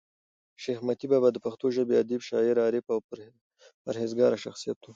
شېخ متي بابا دپښتو ژبي ادیب، شاعر، عارف او پر هېزګاره شخصیت وو.